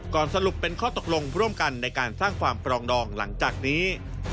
สรุปเป็นข้อตกลงร่วมกันในการสร้างความปรองดองหลังจากนี้